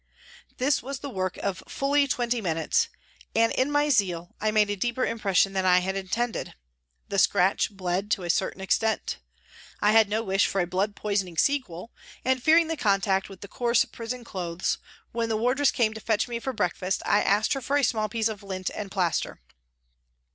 This was the work of fully twenty minutes, and in my zeal I made a deeper impression than I had intended. The scratch bled to a certain extent. I had no wish for a blood poisoning sequel, and, fearing the contact with the coarse prison clothes, when the wardress came to fetch me for breakfast I asked her for a small piece of lint and plaster.